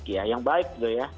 ya yang baik